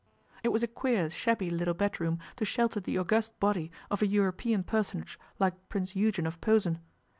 It was a queer shabby little bedroom to shelter the august body of a European personage like Prince Eugen of Posen.